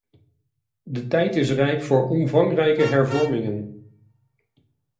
De tijd is rijp voor omvangrijke hervormingen.